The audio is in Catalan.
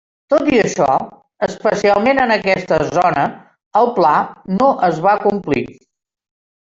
Tot i això, especialment en aquesta zona, el pla no es va complir.